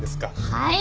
はい！？